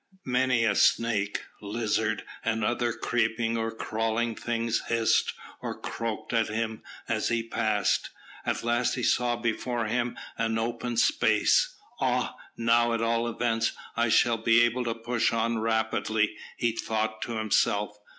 Many a snake, lizard, and other creeping or crawling thing hissed or croaked at him as he passed. At last he saw before him an open space. "Ah! now, at all events, I shall be able to push on rapidly," he thought to himself.